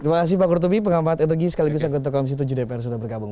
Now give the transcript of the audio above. terima kasih pak kurtubi pengambat energi sekaligus anggota komisi tujuh dpr sudah bergabung